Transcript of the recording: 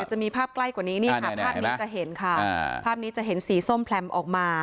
จะมีภาพใกล้กว่านี้ภาพนี้จะเห็นสีส้มแผลมออกมา